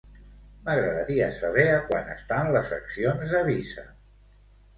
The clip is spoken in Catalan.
M'agradaria saber a quant estan les accions de Visa.